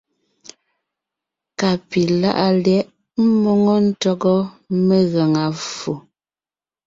Ka pi láʼa lyɛ̌ʼ ḿmoŋo ntÿɔgɔ megaŋa ffo.